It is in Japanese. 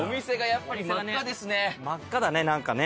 真っ赤だね何かね。